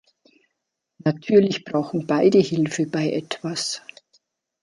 Natürlich brauchen beide Hilfe bei etwas.